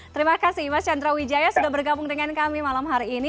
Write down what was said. terima kasih mas chandra wijaya sudah bergabung dengan kami malam hari ini